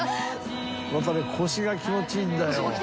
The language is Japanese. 腰が気持ちいいんだよ。